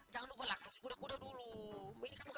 kamu kelihatan pucat banget